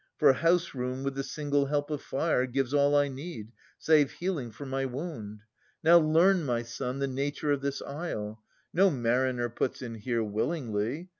For houseroom with the single help of fire Gives all I need, save healing for my wound. Now learn, my son, the nature of this isle. No mariner puts in here willingly.